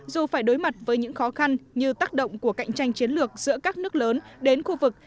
dù phải đối mặt với những khó khăn như tác động của cạnh tranh chiến lược giữa các nước lớn đến khu vực